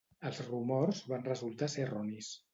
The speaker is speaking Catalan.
Els rumors van resultar ser erronis.